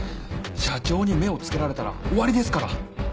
社長に目を付けられたら終わりですから。